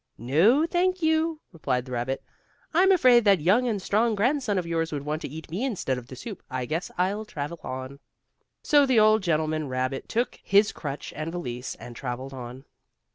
"No, thank you," replied the rabbit. "I'm afraid that young and strong grandson of yours would want to eat me instead of the soup, I guess I'll travel on." So the old gentleman rabbit took his crutch and valise and traveled on.